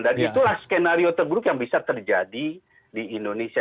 dan itulah skenario terburuk yang bisa terjadi di indonesia